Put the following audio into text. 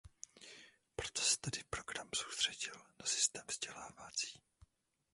Proto se tedy program soustředil na systém vzdělávací.